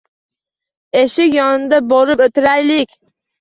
Eshik yoniga borib o`tiraylik